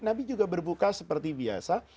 nabi juga berbuka seperti biasa